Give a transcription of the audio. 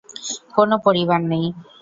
কোনও পরিবার নেই।